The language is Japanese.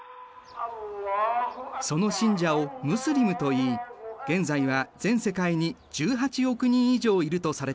その信者をムスリムといい現在は全世界に１８億人以上いるとされている。